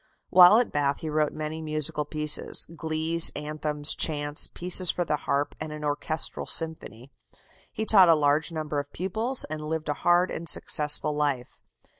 While at Bath he wrote many musical pieces glees, anthems, chants, pieces for the harp, and an orchestral symphony. He taught a large number of pupils, and lived a hard and successful life.